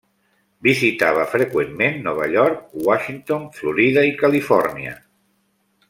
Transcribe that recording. Visitava freqüentment Nova York, Washington, Florida i Califòrnia.